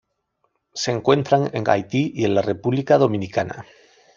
Se encuentran en Haití y en la República Dominicana.